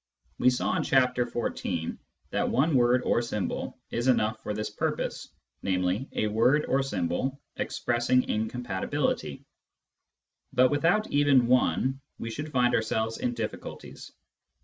We saw in Chapter XIV. that one word or symbol is enough for this purpose, namely, a word or symbol expressing incompati bility. But without even one we should find ourselves in diffi culties.